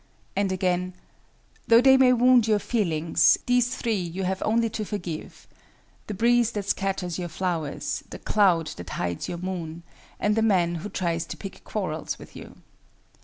And again, "Though they may wound your feelings, these three you have only to forgive, the breeze that scatters your flowers, the cloud that hides your moon, and the man who tries to pick quarrels with you."